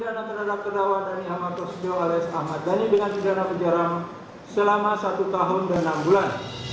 dapatkan pidana terhadap kedawan dhani ahmad prasetyo alias ahmad dhani dengan pidana kejarang selama satu tahun dan enam bulan